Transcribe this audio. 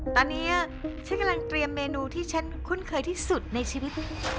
ตอนนี้ฉันกำลังเตรียมเมนูที่ฉันคุ้นเคยที่สุดในชีวิต